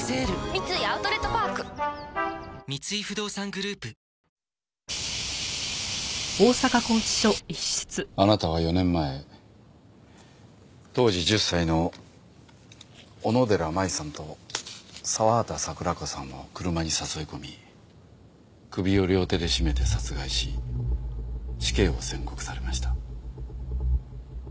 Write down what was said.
三井アウトレットパーク三井不動産グループあなたは４年前当時１０歳の小野寺舞さんと澤畠桜子さんを車に誘い込み首を両手で絞めて殺害し死刑を宣告されました。